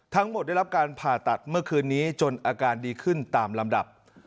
ได้รับการผ่าตัดเมื่อคืนนี้จนอาการดีขึ้นตามลำดับ